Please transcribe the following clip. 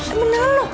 emang bener lu